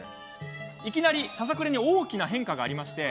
いきなり、ささくれに大きな変化が。